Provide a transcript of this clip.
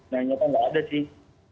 nah nyata nggak ada sih